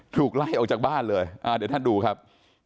ถูกไล่ออกจากบ้านเลยเดี๋ยวท่านดูครับ